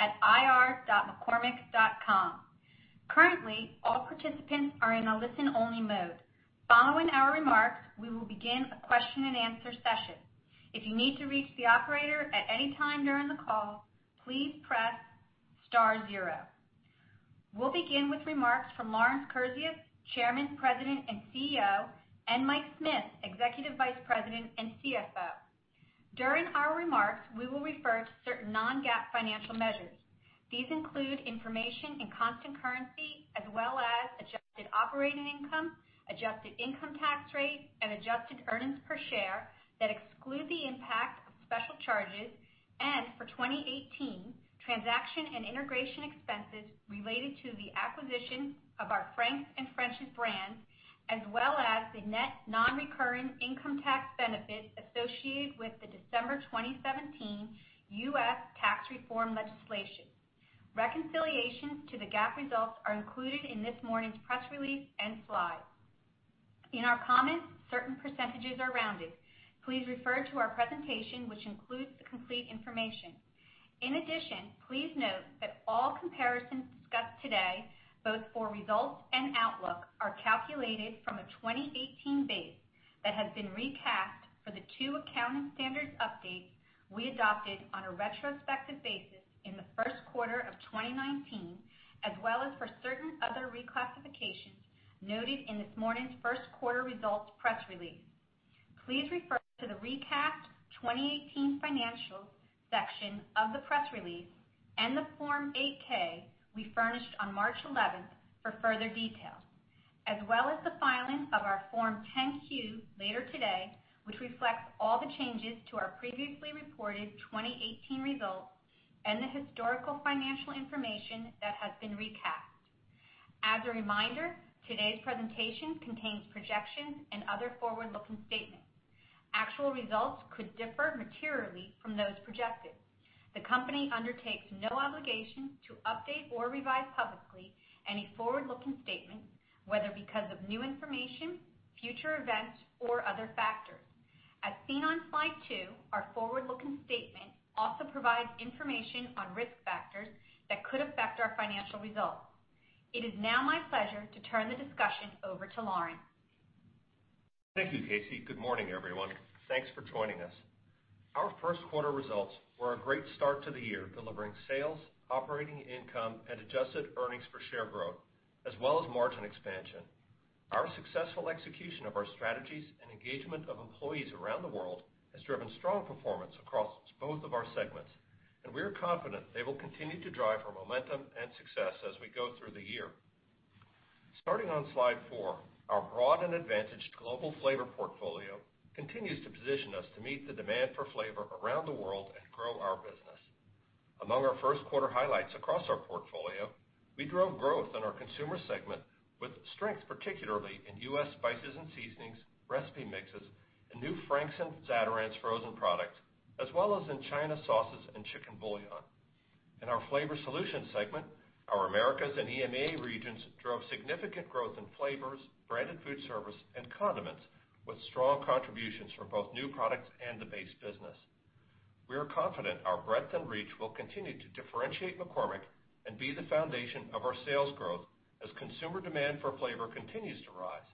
At ir.mccormick.com. Currently, all participants are in a listen-only mode. Following our remarks, we will begin a question and answer session. If you need to reach the operator at any time during the call, please press star zero. We will begin with remarks from Lawrence Kurzius, Chairman, President, and CEO, and Mike Smith, Executive Vice President and CFO. During our remarks, we will refer to certain non-GAAP financial measures. These include information in constant currency as well as adjusted operating income, adjusted income tax rate, and adjusted earnings per share that exclude the impact of special charges and, for 2018, transaction and integration expenses related to the acquisition of our Frank's and French's brands, as well as the net non-recurring income tax benefit associated with the December 2017 U.S. tax reform legislation. Reconciliations to the GAAP results are included in this morning's press release and slides. In our comments, certain percentages are rounded. Please refer to our presentation, which includes the complete information. In addition, please note that all comparisons discussed today, both for results and outlook, are calculated from a 2018 base that has been recapped for the two accounting standards updates we adopted on a retrospective basis in the first quarter of 2019, as well as for certain other reclassifications noted in this morning's first quarter results press release. Please refer to the recapped 2018 financials section of the press release and the Form 8-K we furnished on March 11th for further details, as well as the filing of our Form 10-Q later today, which reflects all the changes to our previously reported 2018 results and the historical financial information that has been recapped. As a reminder, today's presentation contains projections and other forward-looking statements. Actual results could differ materially from those projected. The company undertakes no obligation to update or revise publicly any forward-looking statement, whether because of new information, future events, or other factors. As seen on slide two, our forward-looking statements also provide information on risk factors that could affect our financial results. It is now my pleasure to turn the discussion over to Lawrence. Thank you, Kasey. Good morning, everyone. Thanks for joining us. Our first quarter results were a great start to the year, delivering sales, operating income, and adjusted earnings per share growth, as well as margin expansion. Our successful execution of our strategies and engagement of employees around the world has driven strong performance across both of our segments, and we are confident they will continue to drive our momentum and success as we go through the year. Starting on slide four, our broad and advantaged global flavor portfolio continues to position us to meet the demand for flavor around the world and grow our business. Among our first quarter highlights across our portfolio, we drove growth in our Consumer segment with strength, particularly in U.S. spices and seasonings, recipe mixes, and new Frank's and Zatarain's frozen products, as well as in China sauces and chicken bouillon. In our Flavor Solutions segment, our Americas and EMEA regions drove significant growth in flavors, branded food service, and condiments with strong contributions from both new products and the base business. We are confident our breadth and reach will continue to differentiate McCormick and be the foundation of our sales growth as consumer demand for flavor continues to rise.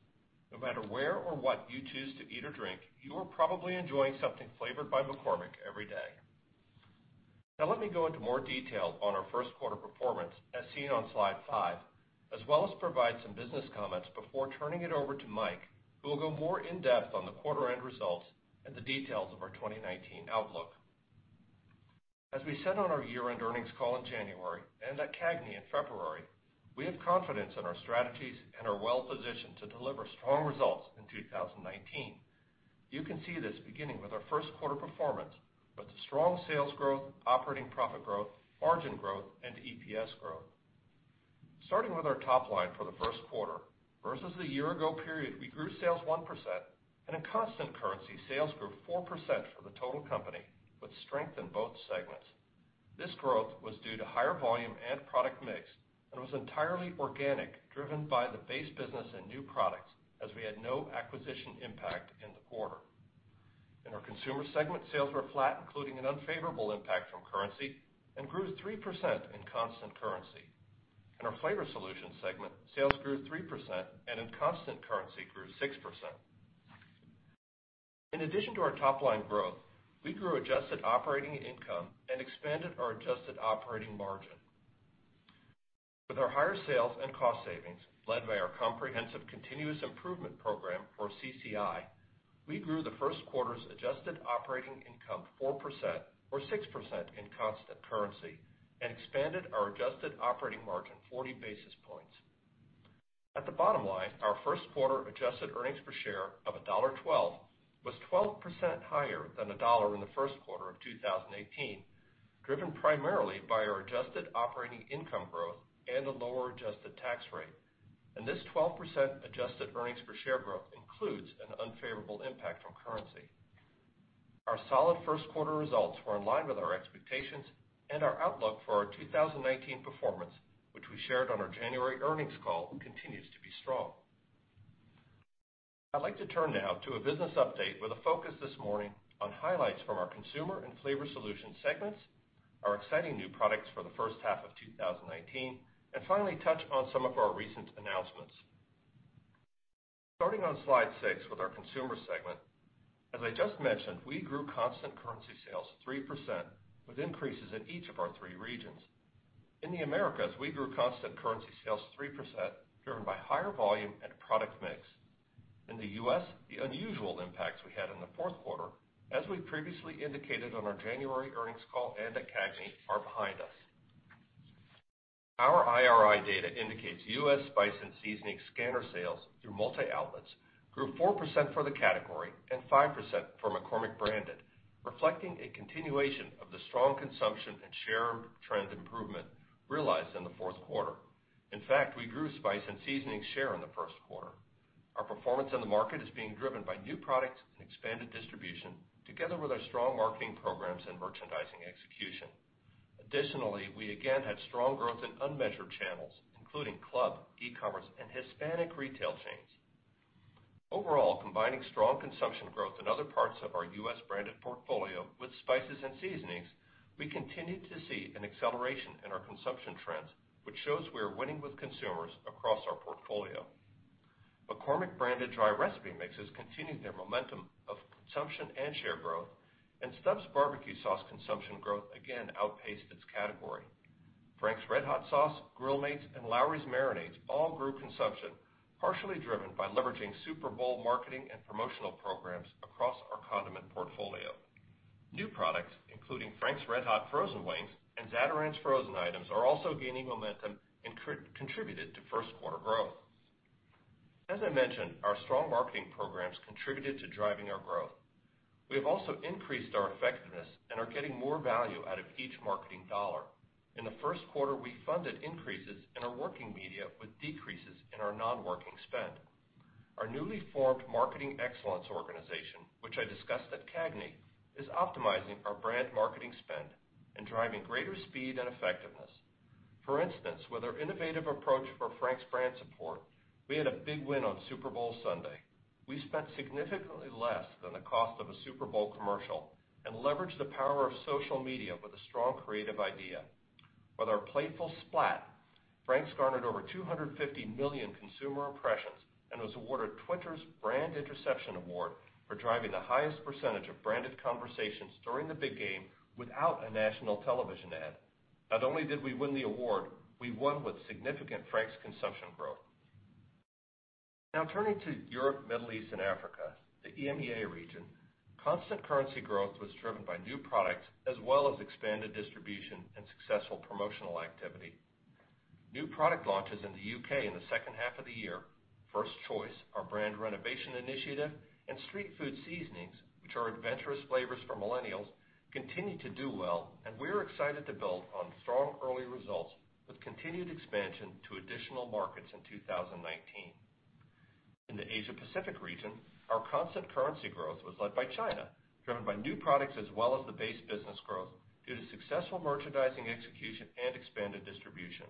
No matter where or what you choose to eat or drink, you are probably enjoying something flavored by McCormick every day. Now let me go into more detail on our first quarter performance, as seen on slide five, as well as provide some business comments before turning it over to Mike, who will go more in depth on the quarter end results and the details of our 2019 outlook. As we said on our year-end earnings call in January and at CAGNY in February, we have confidence in our strategies and are well-positioned to deliver strong results in 2019. You can see this beginning with our first quarter performance with strong sales growth, operating profit growth, margin growth, and EPS growth. Starting with our top-line for the first quarter. Versus the year ago period, we grew sales 1%, and in constant currency, sales grew 4% for the total company with strength in both segments. This growth was due to higher volume and product mix and was entirely organic, driven by the base business and new products as we had no acquisition impact in the quarter. In our Consumer segment, sales were flat, including an unfavorable impact from currency, and grew 3% in constant currency. In our Flavor Solutions segment, sales grew 3%, and in constant currency, grew 6%. In addition to our top-line growth, we grew adjusted operating income and expanded our adjusted operating margin. With our higher sales and cost savings led by our comprehensive continuous improvement program or CCI, we grew the first quarter's adjusted operating income 4% or 6% in constant currency and expanded our adjusted operating margin 40 basis points. At the bottom line, our first quarter adjusted earnings per share of $1.12 was 12% higher than $1 in the first quarter of 2018, driven primarily by our adjusted operating income growth and a lower adjusted tax rate. This 12% adjusted earnings per share growth includes an unfavorable impact from currency. Our solid first quarter results were in line with our expectations and our outlook for our 2019 performance, which we shared on our January earnings call, continues to be strong. I'd like to turn now to a business update with a focus this morning on highlights from our Consumer and Flavor Solutions segments, our exciting new products for the first half of 2019, and finally, touch on some of our recent announcements. Starting on slide six with our Consumer segment. As I just mentioned, we grew constant currency sales 3% with increases in each of our three regions. In the Americas, we grew constant currency sales 3%, driven by higher volume and product mix. In the U.S., the unusual impacts we had in the fourth quarter, as we previously indicated on our January earnings call and at CAGNY, are behind us. Our IRI data indicates U.S. spice and seasoning scanner sales through multi-outlets grew 4% for the category and 5% for McCormick branded, reflecting a continuation of the strong consumption and share of trend improvement realized in the fourth quarter. In fact, we grew spice and seasoning share in the first quarter. Our performance in the market is being driven by new products and expanded distribution, together with our strong marketing programs and merchandising execution. Additionally, we again had strong growth in unmeasured channels, including club, e-commerce, and Hispanic retail chains. Overall, combining strong consumption growth in other parts of our U.S. branded portfolio with spices and seasonings, we continued to see an acceleration in our consumption trends, which shows we are winning with consumers across our portfolio. McCormick branded dry recipe mixes continued their momentum of consumption and share growth, and Stubb's barbecue sauce consumption growth again outpaced its category. Frank's RedHot sauce, Grill Mates, and Lawry's marinades all grew consumption, partially driven by leveraging Super Bowl marketing and promotional programs across our condiment portfolio. New products, including Frank's RedHot frozen wings and Zatarain's frozen items, are also gaining momentum and contributed to first quarter growth. As I mentioned, our strong marketing programs contributed to driving our growth. We have also increased our effectiveness and are getting more value out of each marketing dollar. In the first quarter, we funded increases in our working media with decreases in our non-working spend. Our newly formed marketing excellence organization, which I discussed at CAGNY, is optimizing our brand marketing spend and driving greater speed and effectiveness. For instance, with our innovative approach for Frank's brand support, we had a big win on Super Bowl Sunday. We spent significantly less than the cost of a Super Bowl commercial and leveraged the power of social media with a strong creative idea. With our playful splat, Frank's garnered over 250 million consumer impressions and was awarded Twitter's Brand Interception Award for driving the highest percentage of branded conversations during the big game without a national television ad. Not only did we win the award, we won with significant Frank's consumption growth. Now turning to Europe, Middle East, and Africa, the EMEA region, constant currency growth was driven by new products as well as expanded distribution and successful promotional activity. New product launches in the U.K. in the second half of the year, First Choice, our brand renovation initiative, and street food seasonings, which are adventurous flavors for millennials, continue to do well, and we're excited to build on strong early results with continued expansion to additional markets in 2019. In the Asia-Pacific region, our constant currency growth was led by China, driven by new products as well as the base business growth due to successful merchandising execution and expanded distribution.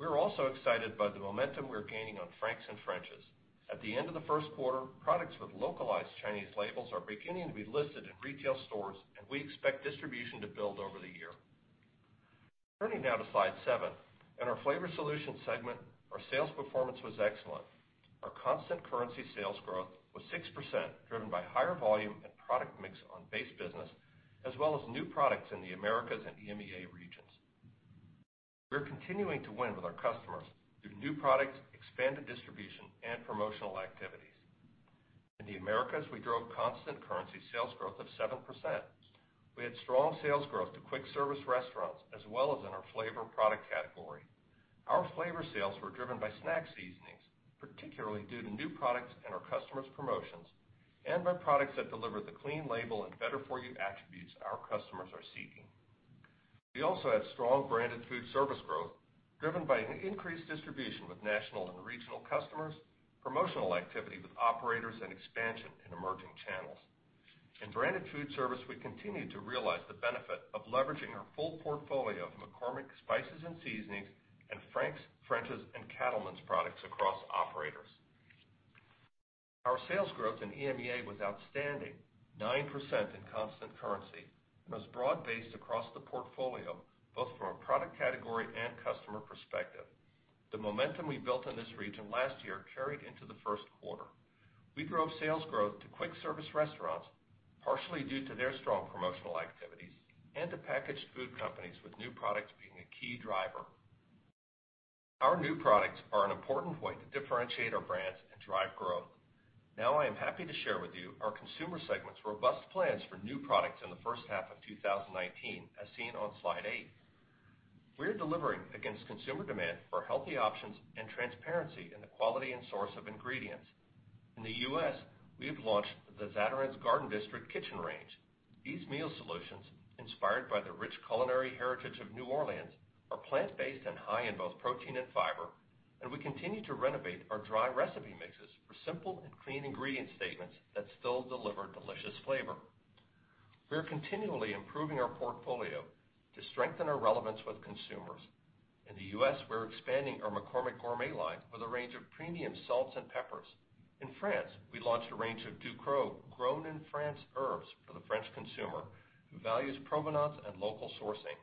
We're also excited by the momentum we're gaining on Frank's and French's. At the end of the first quarter, products with localized Chinese labels are beginning to be listed in retail stores, and we expect distribution to build over the year. Turning now to slide seven. In our Flavor Solutions segment, our sales performance was excellent. Our constant currency sales growth was 6%, driven by higher volume and product mix on base business, as well as new products in the Americas and EMEA regions. We're continuing to win with our customers through new products, expanded distribution, and promotional activities. In the Americas, we drove constant currency sales growth of 7%. We had strong sales growth to quick service restaurants, as well as in our flavor product category. Our flavor sales were driven by snack seasonings, particularly due to new products and our customers' promotions, and by products that deliver the clean label and better for you attributes our customers are seeking. We also had strong branded foodservice growth driven by an increased distribution with national and regional customers, promotional activity with operators, and expansion in emerging channels. In branded foodservice, we continued to realize the benefit of leveraging our full portfolio of McCormick spices and seasonings and Frank's, French's, and Cattlemen's products across operators. Our sales growth in EMEA was outstanding, 9% in constant currency. It was broad-based across the portfolio, both from a product category and customer perspective. The momentum we built in this region last year carried into the first quarter. We drove sales growth to quick service restaurants, partially due to their strong promotional activities, and to packaged food companies, with new products being a key driver. Our new products are an important way to differentiate our brands and drive growth. I am happy to share with you our Consumer segment's robust plans for new products in the first half of 2019, as seen on slide eight. We're delivering against consumer demand for healthy options and transparency in the quality and source of ingredients. In the U.S., we have launched the Zatarain's Garden District Kitchen range. These meal solutions, inspired by the rich culinary heritage of New Orleans, are plant-based and high in both protein and fiber. We continue to renovate our dry recipe mixes for simple and clean ingredient statements that still deliver delicious flavor. We're continually improving our portfolio to strengthen our relevance with consumers. In the U.S., we're expanding our McCormick Gourmet line with a range of premium salts and peppers. In France, we launched a range of Ducros grown in France herbs for the French consumer, who values provenance and local sourcing.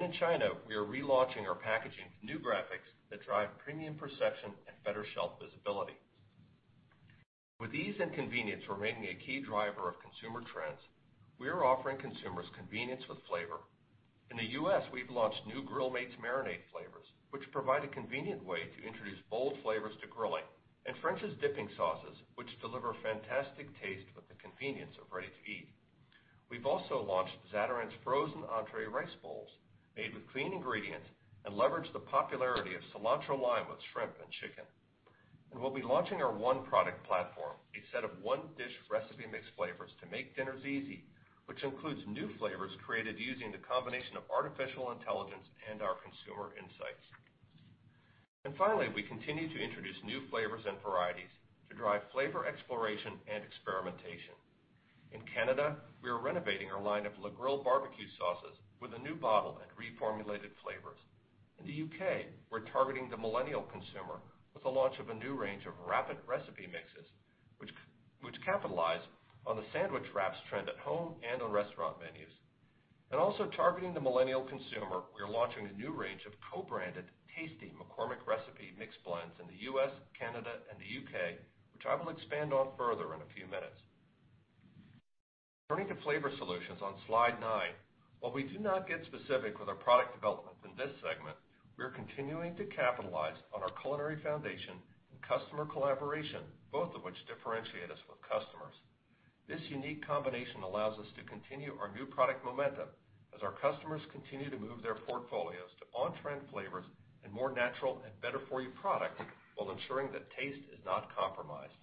In China, we are relaunching our packaging with new graphics that drive premium perception and better shelf visibility. With ease and convenience remaining a key driver of consumer trends, we are offering consumers convenience with flavor. In the U.S., we've launched new Grill Mates marinade flavors, which provide a convenient way to introduce bold flavors to grilling, and French's dipping sauces, which deliver fantastic taste with the convenience of ready-to-eat. We've also launched Zatarain's frozen entree rice bowls, made with clean ingredients, and leverage the popularity of cilantro lime with shrimp and chicken. We'll be launching our ONE product platform, a set of one-dish recipe mix flavors to make dinners easy, which includes new flavors created using the combination of artificial intelligence and our consumer insights. Finally, we continue to introduce new flavors and varieties to drive flavor exploration and experimentation. In Canada, we are renovating our line of La Grille barbecue sauces with a new bottle and reformulated flavors. In the U.K., we're targeting the millennial consumer with the launch of a new range of rapid recipe mixes, which capitalize on the sandwich wraps trend at home and on restaurant menus. Also targeting the millennial consumer, we are launching a new range of co-branded Tasty/McCormick recipe mix blends in the U.S., Canada, and the U.K., which I will expand on further in a few minutes. Turning to Flavor Solutions on slide nine. While we do not get specific with our product developments in this segment, we're continuing to capitalize on our culinary foundation and customer collaboration, both of which differentiate us with customers. This unique combination allows us to continue our new product momentum as our customers continue to move their portfolios to on-trend flavors and more natural and better-for-you products, while ensuring that taste is not compromised.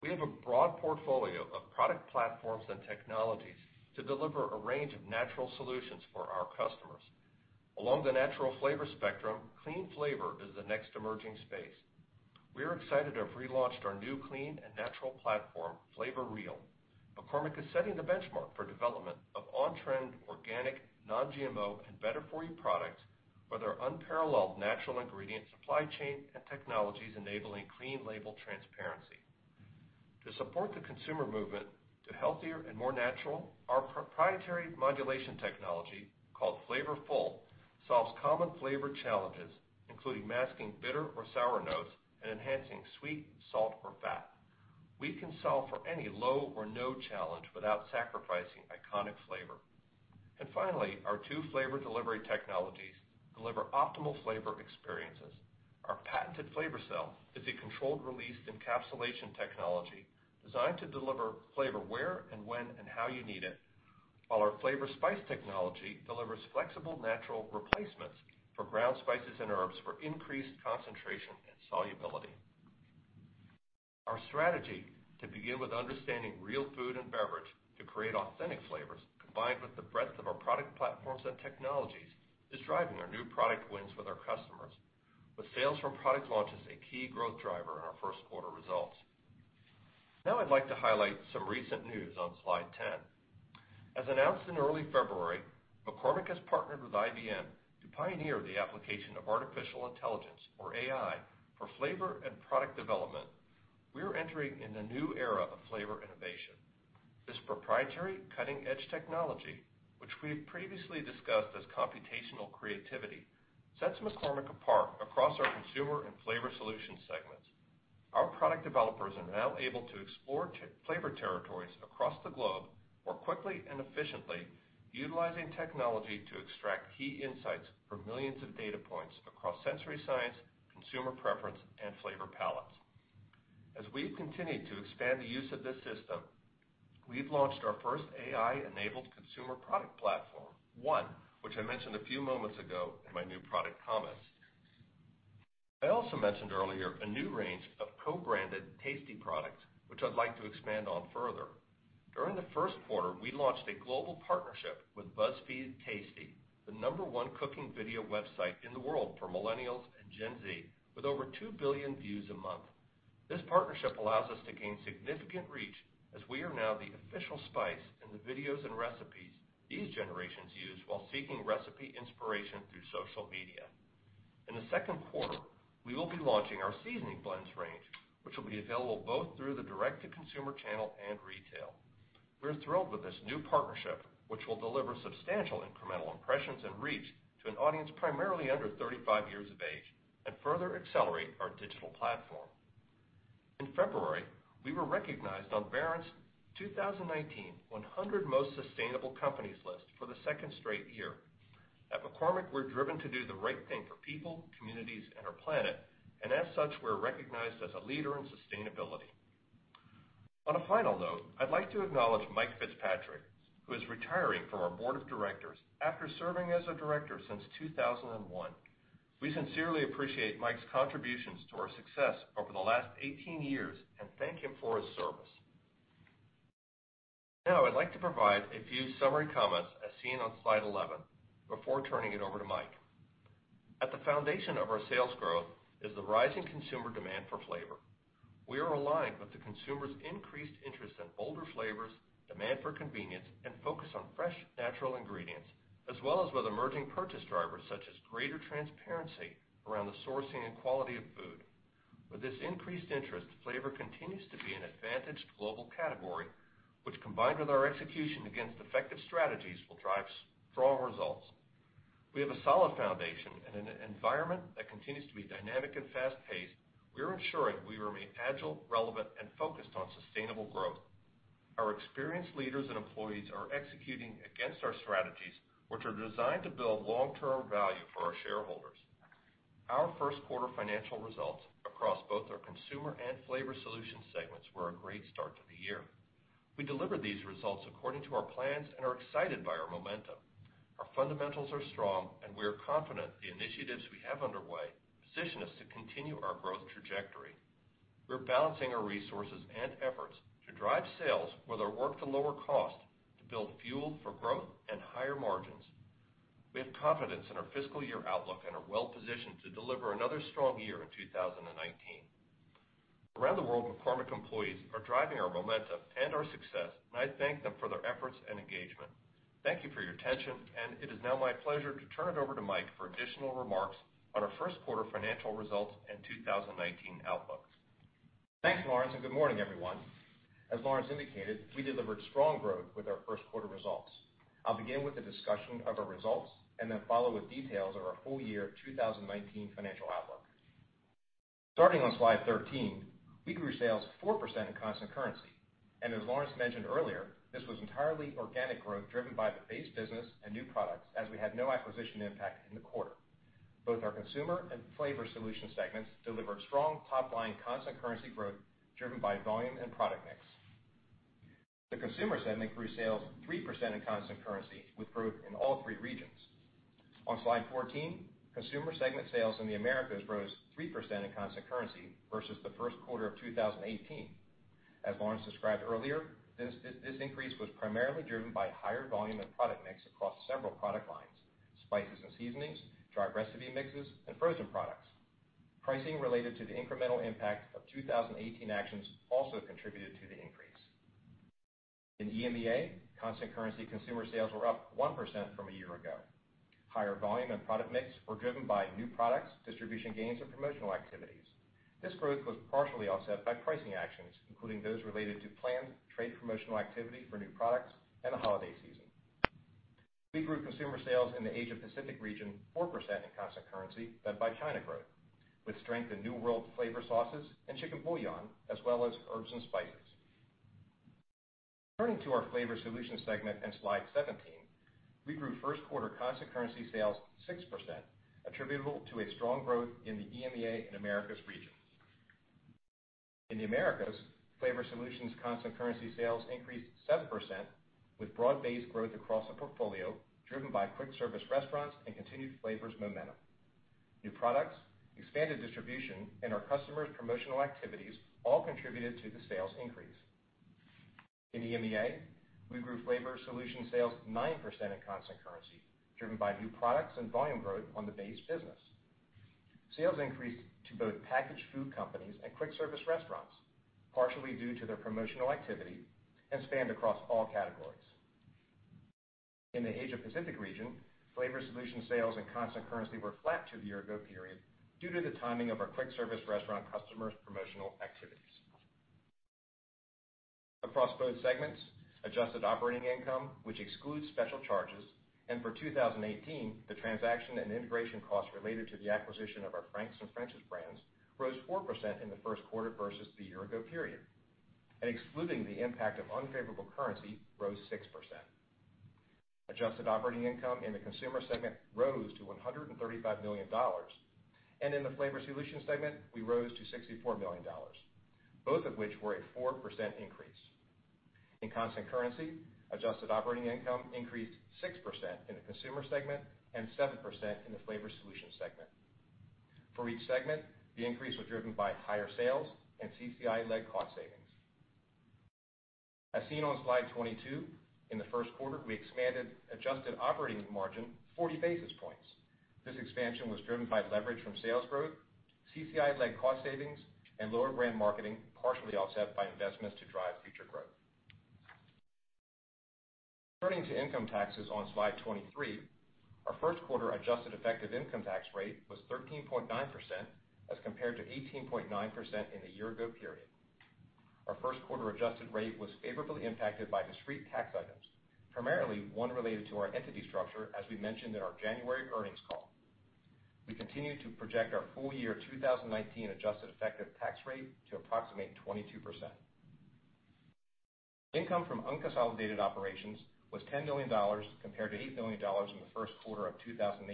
We have a broad portfolio of product platforms and technologies to deliver a range of natural solutions for our customers. Along the natural flavor spectrum, clean flavor is the next emerging space. We're excited to have relaunched our new clean and natural platform, FlavorReal. McCormick is setting the benchmark for development of on-trend, organic, non-GMO, and better-for-you products with our unparalleled natural ingredient supply chain and technologies enabling clean label transparency. To support the consumer movement to healthier and more natural, our proprietary modulation technology, called FlavorFull, solves common flavor challenges, including masking bitter or sour notes and enhancing sweet, salt or fat. We can solve for any low or no challenge without sacrificing iconic flavor. Finally, our two flavor delivery technologies deliver optimal flavor experiences. Our patented FlavorCell is a controlled release encapsulation technology designed to deliver flavor where and when and how you need it, while our FlavorSpice technology delivers flexible natural replacements for ground spices and herbs for increased concentration and solubility. Our strategy to begin with understanding real food and beverage to create authentic flavors, combined with the breadth of our product platforms and technologies, is driving our new product wins with our customers, with sales from product launches a key growth driver in our first quarter results. Now I'd like to highlight some recent news on slide 10. As announced in early February, McCormick has partnered with IBM to pioneer the application of artificial intelligence, or AI, for flavor and product development. We're entering in the new era of flavor innovation. This proprietary cutting-edge technology, which we have previously discussed as computational creativity, sets McCormick apart across our Consumer and Flavor Solutions segments. Our product developers are now able to explore flavor territories across the globe more quickly and efficiently, utilizing technology to extract key insights from millions of data points across sensory science, consumer preference, and flavor palettes. As we've continued to expand the use of this system, we've launched our first AI-enabled consumer product platform, ONE, which I mentioned a few moments ago in my new product comments. I also mentioned earlier a new range of co-branded Tasty products, which I'd like to expand on further. During the first quarter, we launched a global partnership with BuzzFeed Tasty, the number one cooking video website in the world for millennials and Gen Z, with over 2 billion views a month. This partnership allows us to gain significant reach, as we are now the official spice in the videos and recipes these generations use while seeking recipe inspiration through social media. In the second quarter, we will be launching our seasoning blends range, which will be available both through the direct-to-consumer channel and retail. We're thrilled with this new partnership, which will deliver substantial incremental impressions and reach to an audience primarily under 35 years of age, and further accelerate our digital platform. In February, we were recognized on Barron's 2019 100 Most Sustainable Companies list for the second straight year. At McCormick, we're driven to do the right thing for people, communities, and our planet, and as such, we're recognized as a leader in sustainability. On a final note, I'd like to acknowledge Mike Fitzpatrick, who is retiring from our board of directors after serving as a director since 2001. We sincerely appreciate Mike's contributions to our success over the last 18 years and thank him for his service. Now I'd like to provide a few summary comments as seen on slide 11 before turning it over to Mike. At the foundation of our sales growth is the rising consumer demand for flavor. We are aligned with the consumer's increased interest in bolder flavors, demand for convenience, and focus on fresh, natural ingredients, as well as with emerging purchase drivers such as greater transparency around the sourcing and quality of food. With this increased interest, flavor continues to be an advantaged global category, which, combined with our execution against effective strategies, will drive strong results. We have a solid foundation and an environment that continues to be dynamic and fast-paced. We're ensuring we remain agile, relevant, and focused on sustainable growth. Our experienced leaders and employees are executing against our strategies, which are designed to build long-term value for our shareholders. Our first quarter financial results across both our Consumer and Flavor Solutions segments were a great start to the year. We delivered these results according to our plans and are excited by our momentum. Our fundamentals are strong, and we are confident the initiatives we have underway position us to continue our growth trajectory. We're balancing our resources and efforts to drive sales with our work to lower cost to build fuel for growth and higher margins. We have confidence in our fiscal year outlook and are well positioned to deliver another strong year in 2019. Around the world, McCormick employees are driving our momentum and our success, and I thank them for their efforts and engagement. Thank you for your attention, it is now my pleasure to turn it over to Mike for additional remarks on our first quarter financial results and 2019 outlook. Thanks, Lawrence, good morning, everyone. As Lawrence indicated, we delivered strong growth with our first quarter results. I'll begin with a discussion of our results and then follow with details of our full year 2019 financial outlook. Starting on slide 13, we grew sales 4% in constant currency. As Lawrence mentioned earlier, this was entirely organic growth driven by the base business and new products, as we had no acquisition impact in the quarter. Both our Consumer and Flavor Solutions segments delivered strong top-line constant currency growth driven by volume and product mix. The Consumer segment grew sales 3% in constant currency, with growth in all three regions. On slide 14, Consumer segment sales in the Americas rose 3% in constant currency versus the first quarter of 2018. As Lawrence described earlier, this increase was primarily driven by higher volume and product mix across several product lines, spices and seasonings, dry recipe mixes, and frozen products. Pricing related to the incremental impact of 2018 actions also contributed to the increase. In EMEA, constant currency Consumer sales were up 1% from a year ago. Higher volume and product mix were driven by new products, distribution gains, and promotional activities. This growth was partially offset by pricing actions, including those related to planned trade promotional activity for new products and the holiday season. We grew Consumer sales in the Asia Pacific region 4% in constant currency, led by China growth, with strength in new world flavor sauces and chicken bouillon, as well as herbs and spices. Turning to our Flavor Solutions segment and slide 17, we grew first quarter constant currency sales 6%, attributable to a strong growth in the EMEA and Americas region. In the Americas, Flavor Solutions constant currency sales increased 7%, with broad-based growth across the portfolio, driven by quick service restaurants and continued flavors momentum. New products, expanded distribution, and our customers' promotional activities all contributed to the sales increase. In EMEA, we grew Flavor Solutions sales 9% in constant currency, driven by new products and volume growth on the base business. Sales increased to both packaged food companies and quick service restaurants, partially due to their promotional activity, and spanned across all categories. In the Asia Pacific region, Flavor Solutions sales in constant currency were flat to the year ago period due to the timing of our quick service restaurant customers' promotional activities. Across both segments, adjusted operating income, which excludes special charges, and for 2018, the transaction and integration costs related to the acquisition of our Frank's and French's brands, rose 4% in the first quarter versus the year ago period. Excluding the impact of unfavorable currency, rose 6%. Adjusted operating income in the Consumer segment rose to $135 million. In the Flavor Solutions segment, we rose to $64 million, both of which were a 4% increase. In constant currency, adjusted operating income increased 6% in the Consumer segment and 7% in the Flavor Solutions segment. For each segment, the increase was driven by higher sales and CCI-led cost savings. As seen on slide 22, in the first quarter, we expanded adjusted operating margin 40 basis points. This expansion was driven by leverage from sales growth, CCI-led cost savings, and lower brand marketing, partially offset by investments to drive future growth. Turning to income taxes on slide 23, our first quarter adjusted effective income tax rate was 13.9% as compared to 18.9% in the year-ago period. Our first quarter adjusted rate was favorably impacted by discrete tax items, primarily one related to our entity structure, as we mentioned in our January earnings call. We continue to project our full year 2019 adjusted effective tax rate to approximate 22%. Income from unconsolidated operations was $10 million, compared to $8 million in the first quarter of 2018,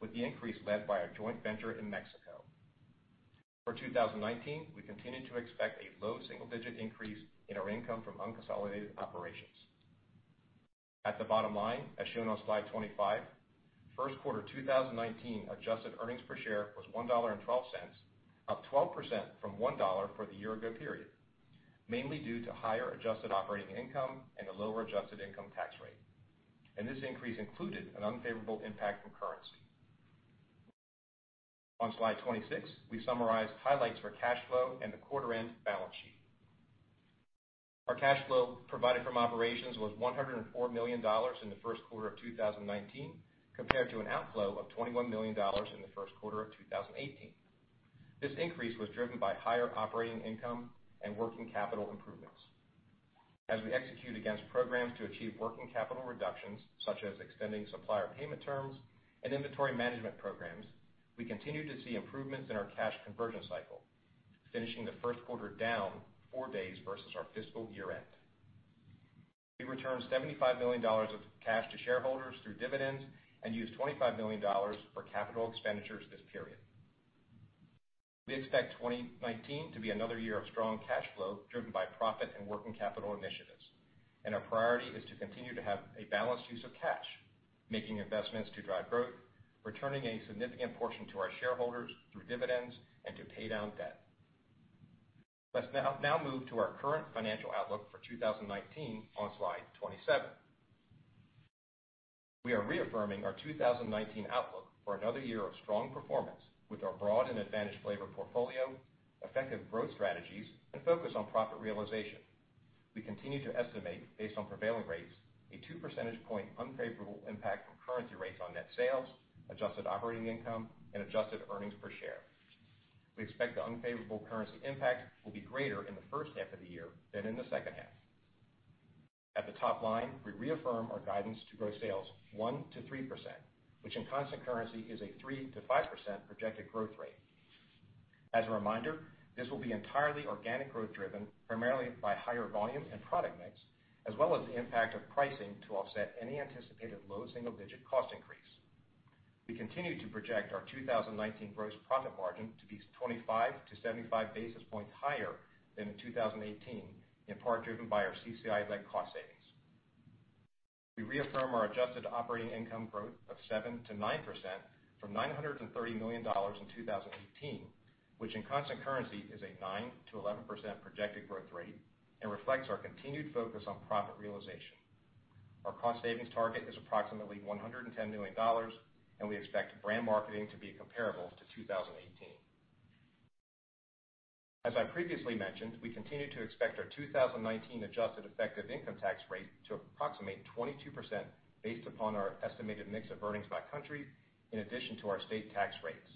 with the increase led by our joint venture in Mexico. For 2019, we continue to expect a low single-digit increase in our income from unconsolidated operations. At the bottom line, as shown on slide 25, first quarter 2019 adjusted earnings per share was $1.12, up 12% from $1 for the year-ago period. Mainly due to higher adjusted operating income and a lower adjusted income tax rate. This increase included an unfavorable impact from currency. On slide 26, we summarize highlights for cash flow and the quarter end balance sheet. Our cash flow provided from operations was $104 million in the first quarter of 2019, compared to an outflow of $21 million in the first quarter of 2018. This increase was driven by higher operating income and working capital improvements. As we execute against programs to achieve working capital reductions, such as extending supplier payment terms and inventory management programs, we continue to see improvements in our cash conversion cycle, finishing the first quarter down four days versus our fiscal year end. We returned $75 million of cash to shareholders through dividends and used $25 million for capital expenditures this period. We expect 2019 to be another year of strong cash flow, driven by profit and working capital initiatives, and our priority is to continue to have a balanced use of cash, making investments to drive growth, returning a significant portion to our shareholders through dividends and to pay down debt. Let's now move to our current financial outlook for 2019 on slide 27. We are reaffirming our 2019 outlook for another year of strong performance with our broad and advantaged flavor portfolio, effective growth strategies, and focus on profit realization. We continue to estimate, based on prevailing rates, a two percentage point unfavorable impact from currency rates on net sales, adjusted operating income and adjusted earnings per share. We expect the unfavorable currency impact will be greater in the first half of the year than in the second half. At the top line, we reaffirm our guidance to grow sales 1%-3%, which in constant currency is a 3%-5% projected growth rate. As a reminder, this will be entirely organic growth driven primarily by higher volume and product mix, as well as the impact of pricing to offset any anticipated low single-digit cost increase. We continue to project our 2019 gross profit margin to be 25-75 basis points higher than in 2018, in part driven by our CCI-led cost savings. We reaffirm our adjusted operating income growth of 7%-9% from $930 million in 2018, which in constant currency is a 9%-11% projected growth rate and reflects our continued focus on profit realization. Our cost savings target is approximately $110 million. We expect brand marketing to be comparable to 2018. As I previously mentioned, we continue to expect our 2019 adjusted effective income tax rate to approximate 22% based upon our estimated mix of earnings by country, in addition to our state tax rates.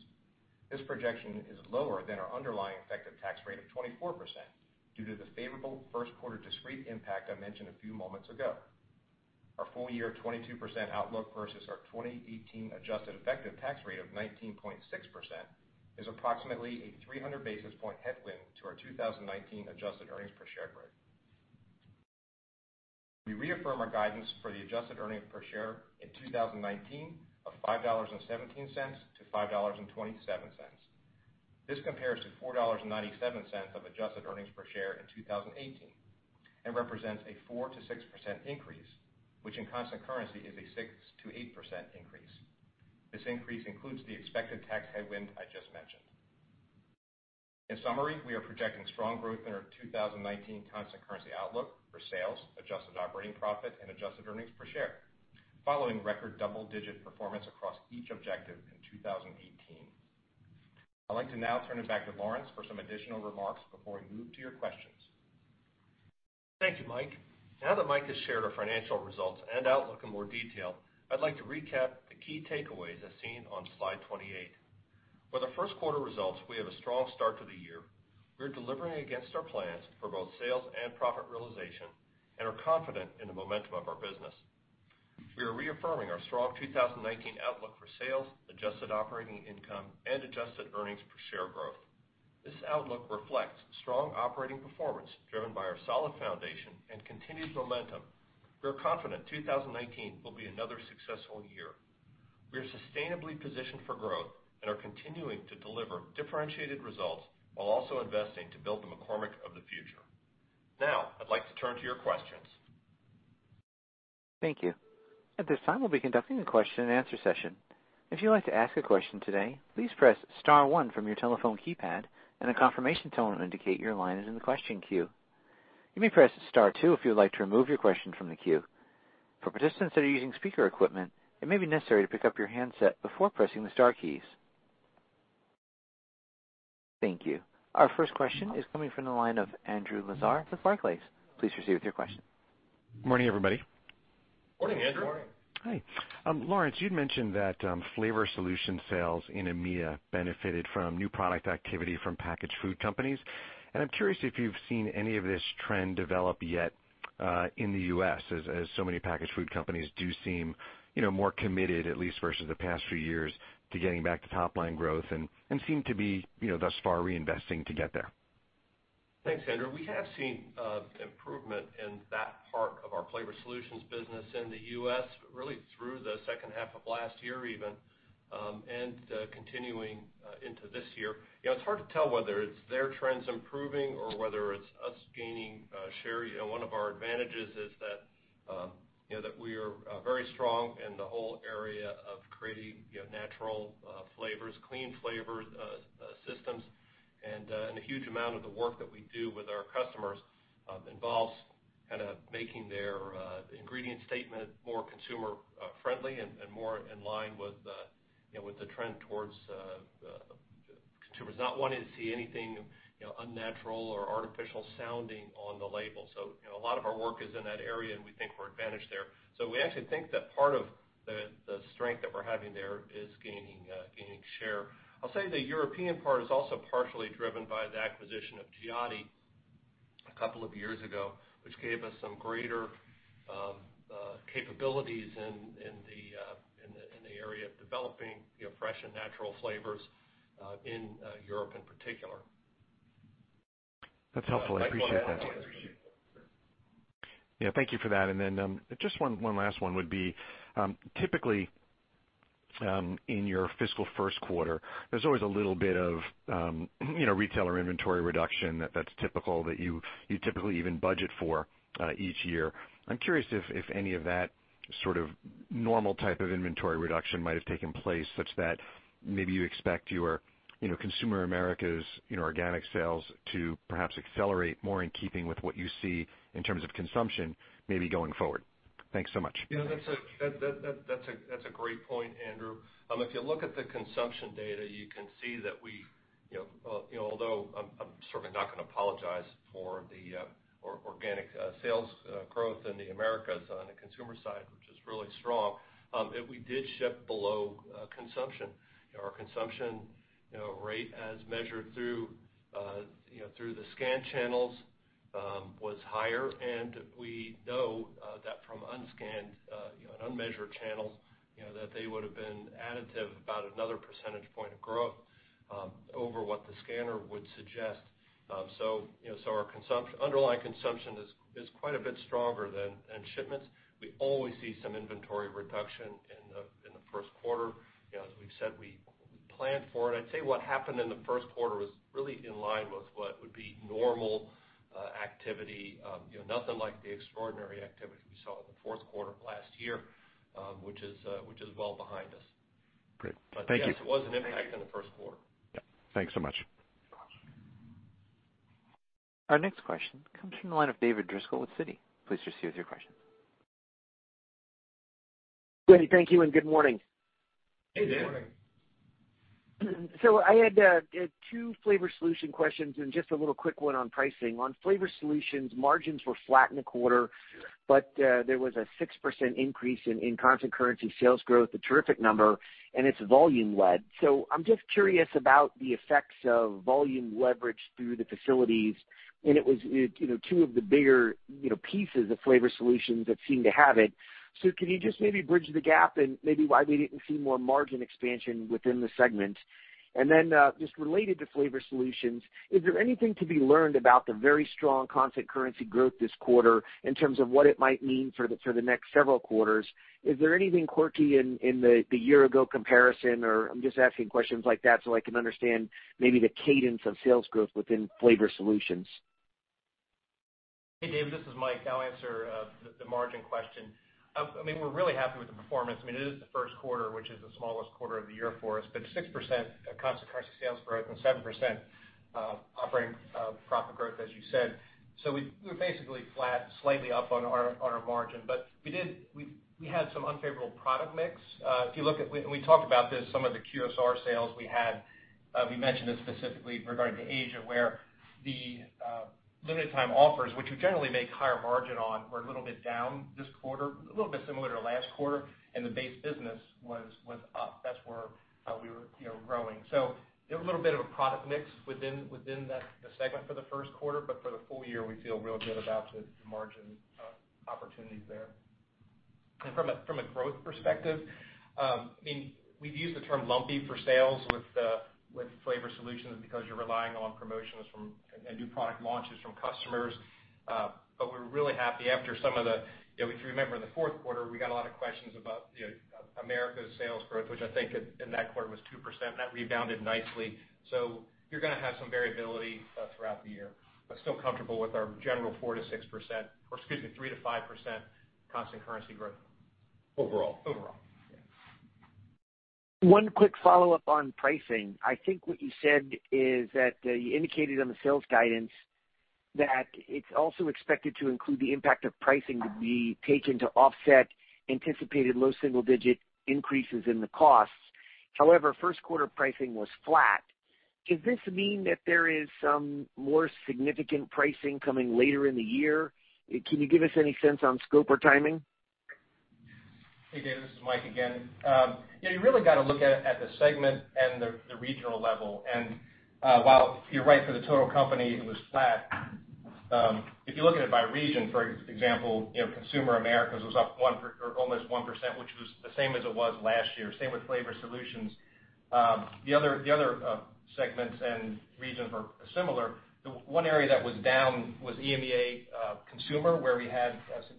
This projection is lower than our underlying effective tax rate of 24% due to the favorable first quarter discrete impact I mentioned a few moments ago. Our full year 22% outlook versus our 2018 adjusted effective tax rate of 19.6% is approximately a 300 basis point headwind to our 2019 adjusted earnings per share growth. We reaffirm our guidance for the adjusted earnings per share in 2019 of $5.17 to $5.27. This compares to $4.97 of adjusted earnings per share in 2018 and represents a 4% to 6% increase, which in constant currency is a 6% to 8% increase. This increase includes the expected tax headwind I just mentioned. In summary, we are projecting strong growth in our 2019 constant currency outlook for sales, adjusted operating profit and adjusted earnings per share, following record double-digit performance across each objective in 2018. I'd like to now turn it back to Lawrence for some additional remarks before we move to your questions. Thank you, Mike. Now that Mike has shared our financial results and outlook in more detail, I'd like to recap the key takeaways as seen on slide 28. With the first quarter results, we have a strong start to the year. We're delivering against our plans for both sales and profit realization and are confident in the momentum of our business. We are reaffirming our strong 2019 outlook for sales, adjusted operating income and adjusted earnings per share growth. This outlook reflects strong operating performance driven by our solid foundation and continued momentum. We are confident 2019 will be another successful year. We are sustainably positioned for growth and are continuing to deliver differentiated results while also investing to build the McCormick of the future. I'd like to turn to your questions. Thank you. At this time, we'll be conducting a question and answer session. If you'd like to ask a question today, please press *1 from your telephone keypad and a confirmation tone will indicate your line is in the question queue. You may press *2 if you would like to remove your question from the queue. For participants that are using speaker equipment, it may be necessary to pick up your handset before pressing the star keys. Thank you. Our first question is coming from the line of Andrew Lazar with Barclays. Please proceed with your question. Morning, everybody. Morning, Andrew. Morning. Hi. Lawrence, you'd mentioned that Flavor Solutions sales in EMEA benefited from new product activity from packaged food companies, and I'm curious if you've seen any of this trend develop yet in the U.S. as so many packaged food companies do seem more committed, at least versus the past few years, to getting back to top line growth and seem to be thus far reinvesting to get there. Thanks, Andrew. We have seen improvement in that part of our Flavor Solutions business in the U.S., really through the second half of last year even, and continuing into this year. It's hard to tell whether it's their trends improving or whether it's us gaining share. One of our advantages is that we are very strong in the whole area of creating natural flavors, clean flavor systems, and a huge amount of the work that we do with our customers involves making their ingredient statement more consumer-friendly and more in line with the trend towards consumers not wanting to see anything unnatural or artificial sounding on the label. A lot of our work is in that area, and we think we're advantaged there. We actually think that part of the strength that we're having there is gaining share. I'll say the European part is also partially driven by the acquisition of a couple of years ago, which gave us some greater capabilities in the area of developing fresh and natural flavors, in Europe in particular. That's helpful. I appreciate that. Mike, you want to add to that? Yeah, thank you for that. Just one last one would be, typically, in your fiscal first quarter, there's always a little bit of retailer inventory reduction that's typical, that you typically even budget for each year. I'm curious if any of that sort of normal type of inventory reduction might have taken place, such that maybe you expect your Consumer Americas organic sales to perhaps accelerate more in keeping with what you see in terms of consumption maybe going forward. Thanks so much. Yeah, that's a great point, Andrew. If you look at the consumption data, you can see that we, although I'm sort of not going to apologize for the organic sales growth in the Americas on the Consumer side, which is really strong, if we did ship below consumption. Our consumption rate as measured through the scan channels was higher. We know that from unscanned, unmeasured channels, that they would've been additive about another percentage point of growth over what the scanner would suggest. Our underlying consumption is quite a bit stronger than shipments. We always see some inventory reduction in the first quarter. As we've said, we planned for it. I'd say what happened in the first quarter was really in line with what would be normal activity. Nothing like the extraordinary activity we saw in the fourth quarter of last year, which is well behind us. Great. Thank you. Yes, it was an impact in the first quarter. Yeah. Thanks so much. Our next question comes from the line of David Driscoll with Citi. Please proceed with your question. Danny, thank you and good morning. Hey, David. Good morning. I had two Flavor Solutions questions and just a little quick one on pricing. On Flavor Solutions, margins were flat in the quarter, but there was a 6% increase in constant currency sales growth, a terrific number, and it's volume led. I'm just curious about the effects of volume leverage through the facilities, and it was two of the bigger pieces of Flavor Solutions that seem to have it. Can you just maybe bridge the gap and maybe why we didn't see more margin expansion within the segment? Just related to Flavor Solutions, is there anything to be learned about the very strong constant currency growth this quarter in terms of what it might mean for the next several quarters? Is there anything quirky in the year-ago comparison or, I'm just asking questions like that so I can understand maybe the cadence of sales growth within Flavor Solutions. Hey, David, this is Mike. I'll answer the margin question. We're really happy with the performance. It is the first quarter, which is the smallest quarter of the year for us, but 6% constant currency sales growth and 7% operating profit growth as you said. We're basically flat, slightly up on our margin. We had some unfavorable product mix. We talked about this, some of the QSR sales we had, we mentioned this specifically regarding Asia, where the limited time offers, which we generally make higher margin on, were a little bit down this quarter, a little bit similar to last quarter, and the base business was up. That's where we were growing. There was a little bit of a product mix within that segment for the first quarter, but for the full year, we feel real good about the margin opportunities there. From a growth perspective, we've used the term lumpy for sales with Flavor Solutions because you're relying on promotions and new product launches from customers. We're really happy after some of the, if you remember in the fourth quarter, we got a lot of questions about Americas sales growth, which I think in that quarter was 2%, and that rebounded nicely. You're going to have some variability throughout the year, but still comfortable with our general 4%-6%, or excuse me, 3%-5% constant currency growth. Overall. Overall. Yeah. One quick follow-up on pricing. I think what you said is that you indicated on the sales guidance that it is also expected to include the impact of pricing to be taken to offset anticipated low single-digit increases in the costs. However, first quarter pricing was flat. Does this mean that there is some more significant pricing coming later in the year? Can you give us any sense on scope or timing? Hey, David, this is Mike again. Yeah, you really got to look at the segment and the regional level. While you are right for the total company, it was flat. If you look at it by region, for example, Consumer Americas was up almost 1%, which was the same as it was last year. Same with Flavor Solutions. The other segments and regions are similar. The one area that was down was EMEA Consumer, where we had some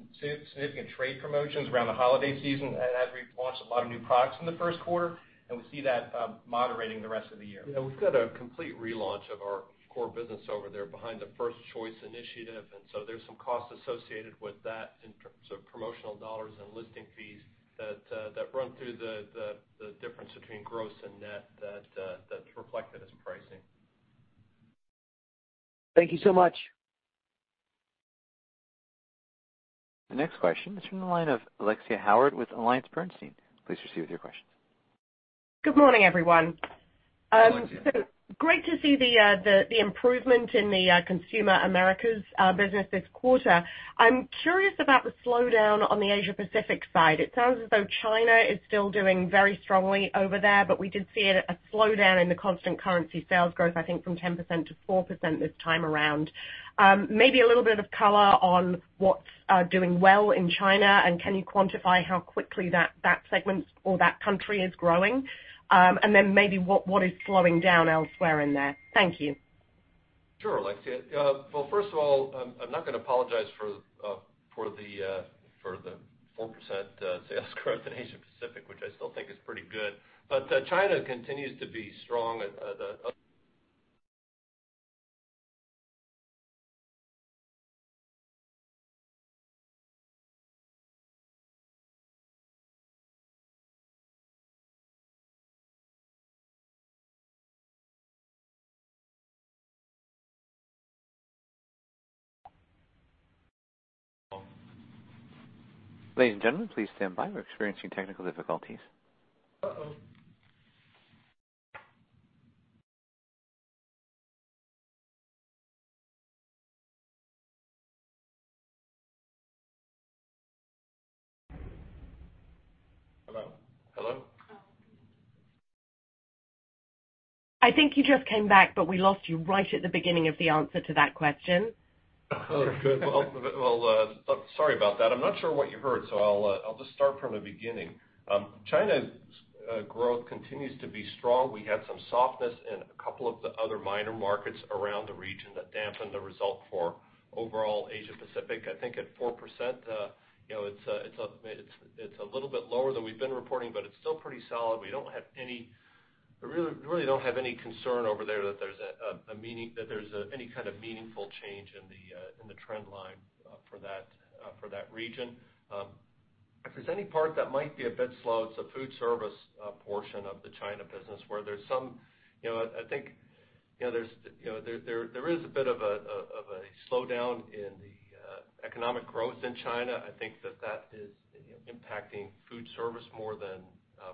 significant trade promotions around the holiday season as we launched a lot of new products in the first quarter. We see that moderating the rest of the year. Yeah, we've got a complete relaunch of our core business over there behind the First Choice initiative. There's some costs associated with that in terms of promotional dollars and listing fees that run through the difference between gross and net that's reflected as pricing. Thank you so much. The next question is from the line of Alexia Howard with AllianceBernstein. Please proceed with your question. Good morning, everyone. Alexia. Great to see the improvement in the Consumer Americas business this quarter. I'm curious about the slowdown on the Asia Pacific side. It sounds as though China is still doing very strongly over there, but we did see a slowdown in the constant currency sales growth, I think from 10%-4% this time around. Maybe a little bit of color on what's doing well in China, and can you quantify how quickly that segment or that country is growing? Then maybe what is slowing down elsewhere in there. Thank you. Sure, Alexia. First of all, I'm not going to apologize for the 4% sales growth in Asia Pacific, which I still think is pretty good. China continues to be strong. Ladies and gentlemen, please stand by. We're experiencing technical difficulties. Hello? Hello? I think you just came back, but we lost you right at the beginning of the answer to that question. Oh, good. Well, sorry about that. I'm not sure what you heard, so I'll just start from the beginning. China's growth continues to be strong. We had some softness in a couple of the other minor markets around the region that dampened the result for overall Asia Pacific. I think at 4%, it's a little bit lower than we've been reporting, but it's still pretty solid. We really don't have any concern over there that there's any kind of meaningful change in the trend line for that region. If there's any part that might be a bit slow, it's the foodservice portion of the China business, where I think there is a bit of a slowdown in the economic growth in China. I think that that is impacting foodservice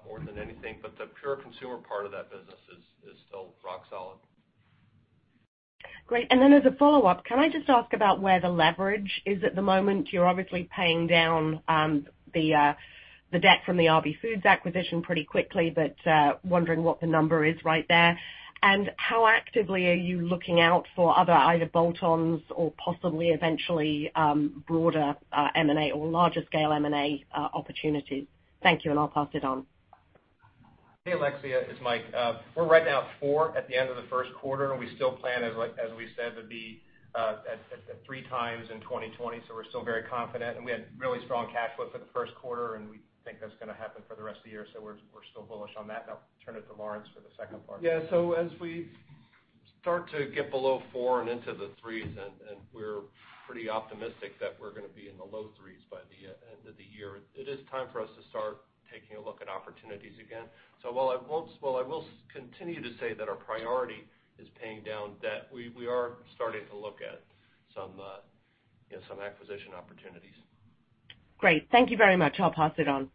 more than anything. The pure Consumer part of that business is still rock solid. Great. Then as a follow-up, can I just ask about where the leverage is at the moment? You're obviously paying down the debt from the RB Foods acquisition pretty quickly, but wondering what the number is right there. How actively are you looking out for other either bolt-ons or possibly eventually broader M&A or larger scale M&A opportunities? Thank you, and I'll pass it on. Hey, Alexia, it's Mike. We're right now at four at the end of the first quarter, and we still plan, as we said, to be at three times in 2020, so we're still very confident. We had really strong cash flow for the first quarter, and we think that's gonna happen for the rest of the year, so we're still bullish on that. I'll turn it to Lawrence for the second part. Yeah, as we start to get below four and into the 3s, and we're pretty optimistic that we're gonna be in the low 3s by the end of the year, it is time for us to start taking a look at opportunities again. While I will continue to say that our priority is paying down debt, we are starting to look at some acquisition opportunities. Great. Thank you very much. I'll pass it on.